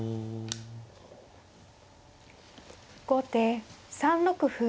後手３六歩。